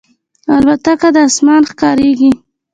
الوتکه د اسمان ښکاریږي.